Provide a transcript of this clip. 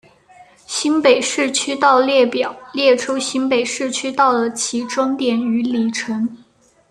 新北市区道列表列出新北市区道的起终点与里程。